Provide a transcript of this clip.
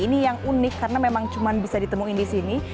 ini yang unik karena memang cuma bisa ditemuin di sini